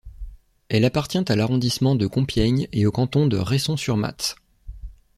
Elle appartient à l'arrondissement de Compiègne et au canton de Ressons-sur-Matz.